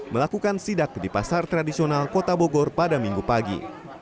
melakukan sidak di pasar tradisional kota bogor pada minggu pagi